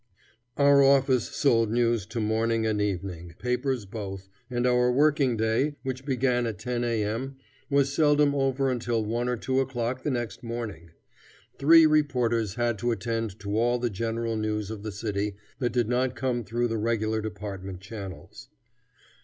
Our office sold news to morning and evening papers both, and our working day, which began at 10 A.M., was seldom over until one or two o'clock the next morning. Three reporters had to attend to all the general news of the city that did not come through the regular department channels.